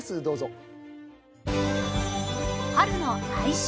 どうぞ。